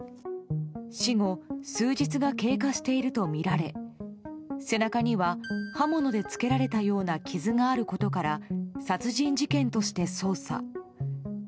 死後数日が経過しているとみられ背中には刃物でつけられたような傷があることから殺人事件として捜査。